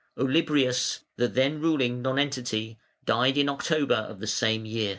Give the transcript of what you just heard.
Olybrius, the then reigning nonentity, died in October of the same year.